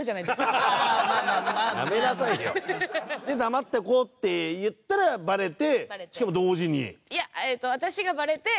「黙っておこう」って言ったらバレてしかも同時に？